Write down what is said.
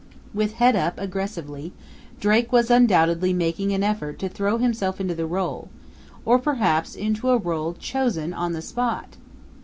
With head up aggressively, Drake was undoubtedly making an effort to throw himself into the role or perhaps into a role chosen on the spot!